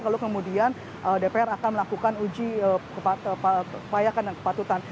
lalu kemudian dpr akan melakukan uji kelayakan dan kepatutan